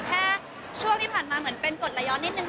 แค่ช่วงที่ผ่านมาเหมือนเป็นกฎละย้อนนิดนึง